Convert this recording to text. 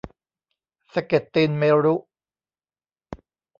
สะเก็ดตีนเมรุ